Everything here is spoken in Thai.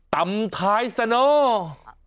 ต่ำท้ายสะเนาะ